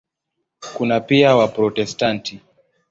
Kuna pia Waprotestanti.